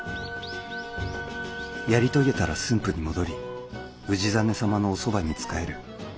「やり遂げたら駿府に戻り氏真様のおそばに仕える。